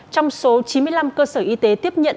trong số chín mươi năm cơ sở y tế tiếp nhận